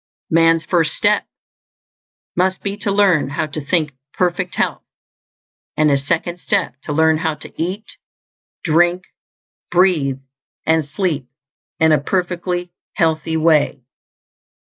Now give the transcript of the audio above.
_ _Man's first step must be to learn how to think perfect health; and his second step to learn how to eat, drink, breathe, and sleep in a perfectly healthy way.